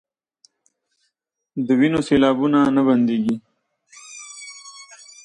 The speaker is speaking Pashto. د وينو سېلاوو نه بنديږي